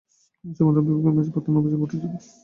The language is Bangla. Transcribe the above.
এ সময় তাঁর বিপক্ষে ম্যাচ পাতানোর অভিযোগ উঠেছিল।